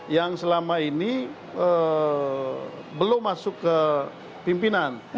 yang selama ini belum masuk ke pimpinan